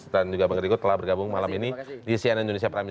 dan juga bang riku telah bergabung malam ini di cnn indonesia prime